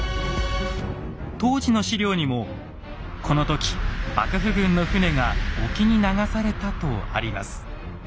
当時の史料にも「この時幕府軍の船が沖に流された」とあります。